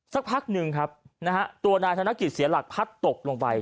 สักพักหนึ่งครับนะฮะตัวนายธนกิจเสียหลักพัดตกลงไป